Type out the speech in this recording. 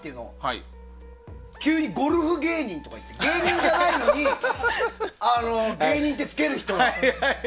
急にゴルフ芸人とかいって芸人じゃないのに芸人ってつける人が。